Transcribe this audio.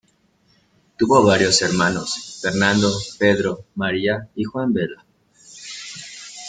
Tuvo varios hermanos, Fernando, Pedro, María y Juan Vela.